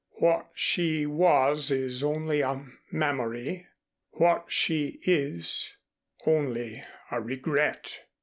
"What she was is only a memory; what she is, only a regret.